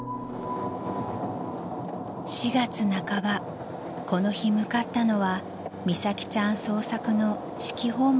［４月半ばこの日向かったのは美咲ちゃん捜索の指揮本部があった警察署］